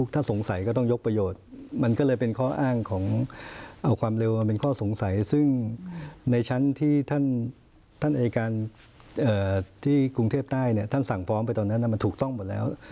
ท่านอายการที่กรุงเทพใต้ท่านสั่งพร้อมไปตอนนั้นมันถูกต้องหมดแล้ว